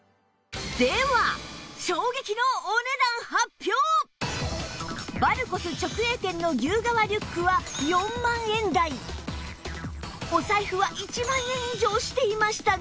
では衝撃のバルコス直営店の牛革リュックは４万円台お財布は１万円以上していましたが